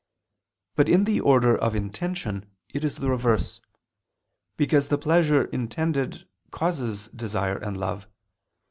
But in the order of intention, it is the reverse: because the pleasure intended causes desire and love.